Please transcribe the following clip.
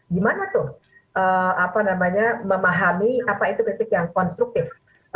gimana tuh apa namanya memahami apa itu kritik yang konstruktif